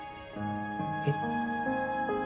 えっ？